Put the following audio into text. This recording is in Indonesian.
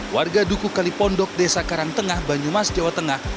warga duku kalipondok desa karangtengah banyumas jawa tengah